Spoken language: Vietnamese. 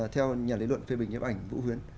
theo nhà lý luận phê bình nhấp ảnh vũ huyến